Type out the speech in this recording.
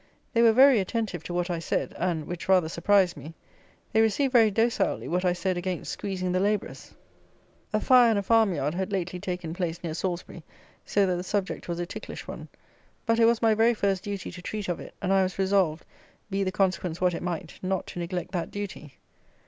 They were very attentive to what I said, and, which rather surprised me, they received very docilely what I said against squeezing the labourers. A fire in a farmyard had lately taken place near Salisbury; so that the subject was a ticklish one. But it was my very first duty to treat of it, and I was resolved, be the consequence what it might, not to neglect that duty.